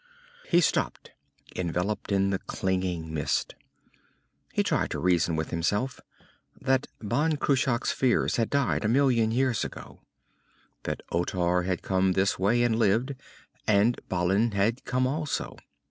He stopped, enveloped in the clinging mist. He tried to reason with himself that Ban Cruach's fears had died a million years ago, that Otar had come this way and lived, and Balin had come also.